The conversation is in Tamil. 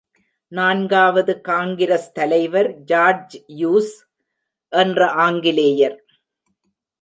நான்காவது காங்கிரஸ் தலைவர் ஜார்ஜ்யூல் என்ற ஆங்கிலேயர்.